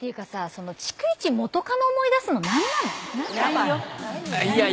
その逐一元カノ思い出すの何なの⁉ないない。